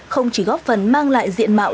không chỉ góp phần mang lại diện mạo